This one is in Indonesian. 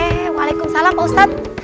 hei walaikum salam pak ustaz